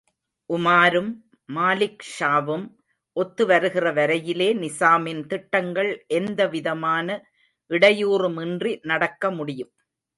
உமாரும், மாலிக் ஷாவும் ஒத்து வருகிறவரையிலே நிசாமின் திட்டங்கள் எந்தவிதமான இடையூறுமின்றி நடக்கமுடியும்.